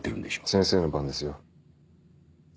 先生の番ですよ。